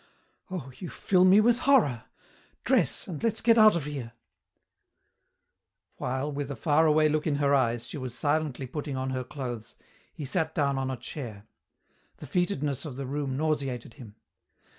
"Oh, you fill me with horror! Dress, and let's get out of here." While, with a faraway look in her eyes, she was silently putting on her clothes, he sat down on a chair. The fetidness of the room nauseated him.